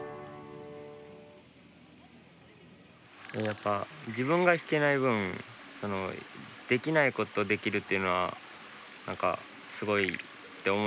やっぱ自分が弾けない分できないことできるっていうのはすごいって思います。